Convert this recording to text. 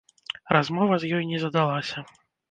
Размова з ёй не задалася.